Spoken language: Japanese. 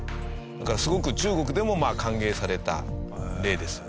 だからすごく中国でも歓迎された例ですよね。